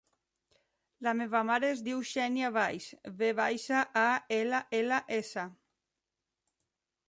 La meva mare es diu Xènia Valls: ve baixa, a, ela, ela, essa.